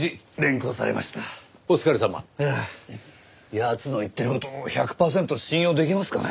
奴の言ってる事１００パーセント信用できますかね？